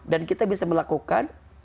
dan kita bisa melakukan